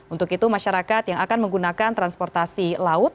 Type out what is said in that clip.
untuk itu masyarakat yang akan menggunakan transportasi laut